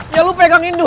ya lo pegangin dulu